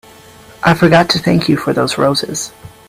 I forgot to thank you for those roses.